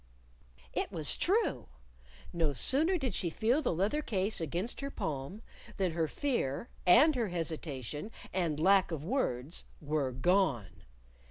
It was true! No sooner did she feel the leather case against her palm, than her fear, and her hesitation and lack of words, were gone!